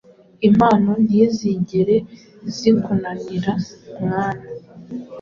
Impano ntizigere zikunanira mwana